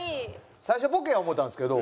最初ボケや思ったんですけど。